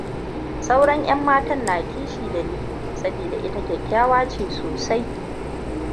Sauran ʻyan matan na kishi da Lily saboda ita kyakkyawa ce sosai.